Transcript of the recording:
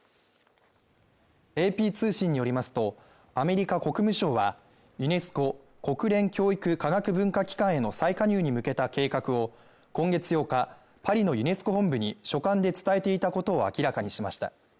ＡＰ通信によりますと、アメリカ国務省は、ユネスコ＝国連教育科学文化機関への再加入に向けた計画を今月８日、パリのユネスコ本部に書簡で伝えていたことを明らかにしました。